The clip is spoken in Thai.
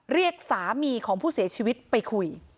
เรียกสามีของผู้เสียชีวิตไปคุย